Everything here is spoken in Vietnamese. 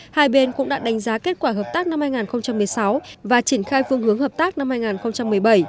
hai bên cũng đã đánh giá kết quả hợp tác năm hai nghìn một mươi sáu và triển khai phương hướng hợp tác năm hai nghìn một mươi bảy